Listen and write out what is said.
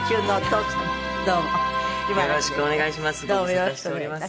よろしくお願いします。